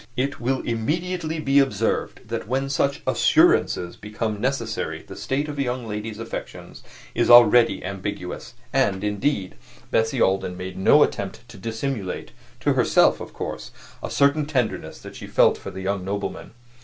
It will immediately be observed that when such assurances become necessary the state of a young lady's affections is already ambiguous; and, indeed, Bessie Alden made no attempt to dissimulate to herself, of course a certain tenderness that she felt for the young nobleman.